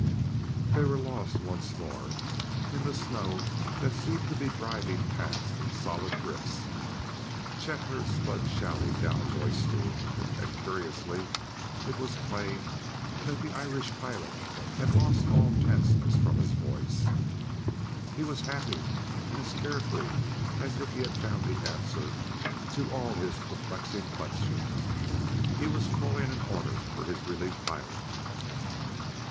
They were lost once more in the snow that seemed to be driving past in solid drifts. Chet heard Spud shouting down a voice tube. And, curiously, it was plain that the Irish pilot had lost all tenseness from his voice; he was happy and as carefree as if he had found the answer to all his perplexing questions. He was calling an order to his relief pilot.